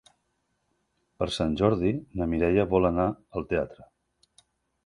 Per Sant Jordi na Mireia vol anar al teatre.